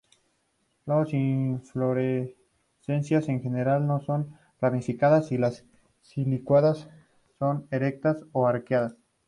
Las inflorescencias en general no son ramificadas y las silicuas son erectas o arqueadas.